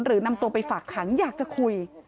นำตัวไปฝากขังอยากจะคุย